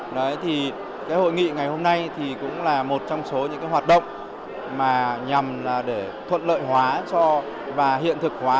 đấy thì cái hội nghị ngày hôm nay thì cũng là một trong số những hoạt động mà nhằm để thuận lợi hóa cho và hiện thực hóa